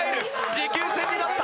持久戦になった。